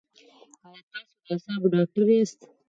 ایا تاسو د اعصابو ډاکټر یاست؟